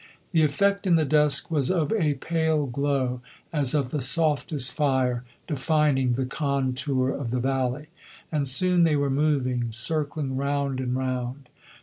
The effect in the dusk was of a pale glow, as of the softest fire, defining the contour of the valley; and soon they were moving, circling round and round.